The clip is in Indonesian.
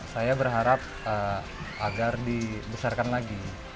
saya berharap agar dibesarkan lagi